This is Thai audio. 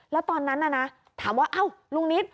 แล้วตอนนั้นถามว่าอ้าวลุงนิด